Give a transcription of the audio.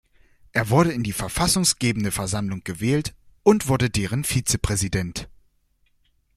Er wurde in die Verfassunggebende Versammlung gewählt und wurde deren Vizepräsident.